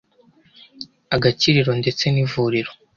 agakiriro ndetse n’ivuriro